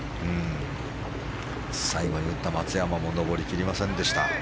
最後に打った松山も上り切りませんでした。